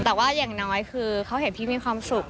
แต่ว่าอย่างน้อยคือเขาเห็นพี่มีความสุข